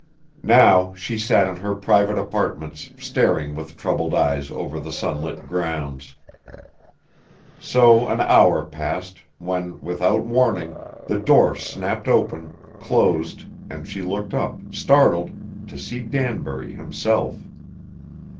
Now she sat in her private apartments staring with troubled eyes over the sunlit grounds. So an hour passed, when without warning, the door snapped open, closed, and she looked up, startled, to see Danbury himself.